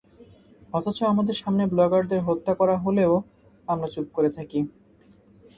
অথচ আমাদের সামনে ব্লগারদের হত্যা করা হলেও আমরা চুপ করে থাকি।